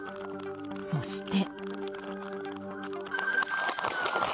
そして。